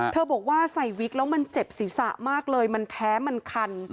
บอกว่าใส่วิกแล้วมันเจ็บศีรษะมากเลยมันแพ้มันคัน